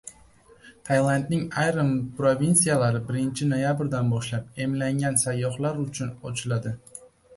Tailandning ayrim provinsiyalari birinchi noyabrdan boshlab emlangan sayyohlar uchun ochiladi